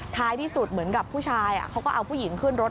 ท้ายที่สุดเหมือนกับผู้ชายเขาก็เอาผู้หญิงขึ้นรถ